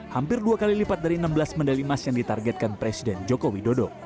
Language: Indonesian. hampir dua kali lipat dari enam belas medali emas yang ditargetkan presiden joko widodo